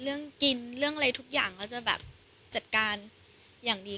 เรื่องกินเรื่องอะไรทุกอย่างเขาจะแบบจัดการอย่างดี